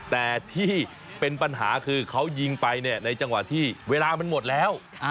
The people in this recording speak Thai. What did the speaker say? แต่ที่เป็นปัญหาคือเขายิงไปเนี่ยในจังหวะที่เวลามันหมดแล้ว